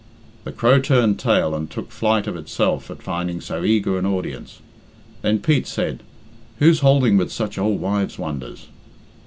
The crow turned tail and took flight of itself at finding so eager an audience. Then Pete said, "Whose houlding with such ould wife's wonders?"